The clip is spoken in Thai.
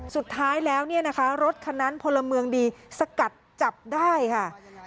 สุดท้ายแล้วรถคันนั้นพลเมืองดีสกัดจับได้ค่ะ